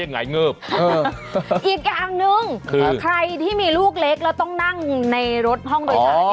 อีกอย่างนึงใครที่มีลูกเล็กแล้วต้องนั่งในรถห้องโดยชาติ